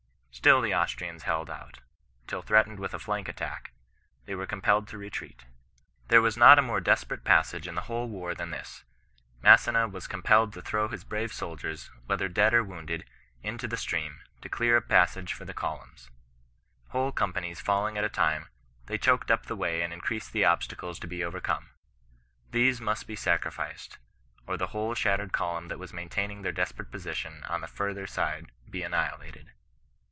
Still the Austrians held out, till threatened with a flank attack, they were compelled to retreat. '^ There was not a more desperate passage in the whole war than this. Massena was compelled to throw his brave soldiers, whether dead or wounded, into the stream, to clear a passage for the columns. Whole companies falling at a time, they choked up the way and increased the obstacles to be overcome. These must be sacrificed, or the whole shattered column that was maintaining their desperate position on the farther side be annihilated.